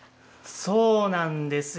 そうなんですよ。